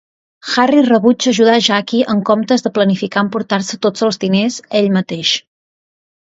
Harry rebutja ajudar a Jackie, en comptes de planificar emportar-se tots els diners ell mateix.